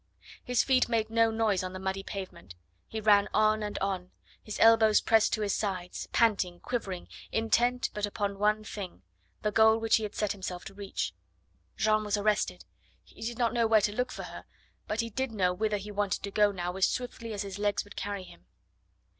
His feet made no noise on the muddy pavement. He ran on and on, his elbows pressed to his sides, panting, quivering, intent but upon one thing the goal which he had set himself to reach. Jeanne was arrested. He did not know where to look for her, but he did know whither he wanted to go now as swiftly as his legs would carry him.